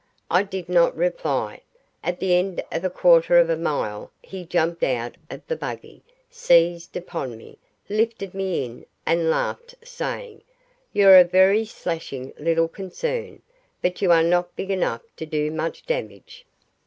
I did not reply. At the end of a quarter of a mile he jumped out of the buggy, seized upon me, lifted me in, and laughed, saying, "You're a very slashing little concern, but you are not big enough to do much damage."